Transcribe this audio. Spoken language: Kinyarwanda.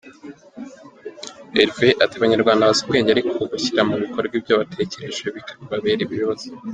Herve ati abanyarwanda bazi ubwenge ariko gushyira mu bikorwa ibyo batekereje bibabera ikibazo.